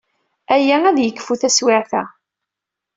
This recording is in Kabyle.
Aya ad d-yekfu taswiɛt-a.